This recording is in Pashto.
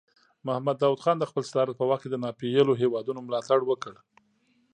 محمد داود خان د خپل صدارت په وخت کې د ناپېیلو هیوادونو ملاتړ وکړ.